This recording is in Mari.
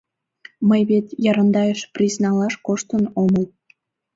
Мый вет Ярандайыш приз налаш коштын омыл.